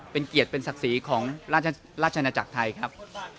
เป็นเกียรติเป็นศักดิ์ศรีของราชนาจักรไทยครับ